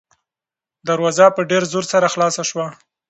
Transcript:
دروازه په ډېر زور سره خلاصه شوه.